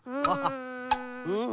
うん。